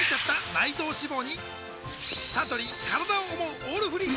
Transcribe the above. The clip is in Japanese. サントリー「からだを想うオールフリー」